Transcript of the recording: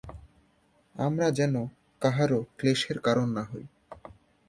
আমরা যেন কাহারও ক্লেশের কারণ না হই।